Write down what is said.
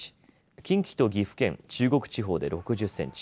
近畿と岐阜県中国地方で６０センチ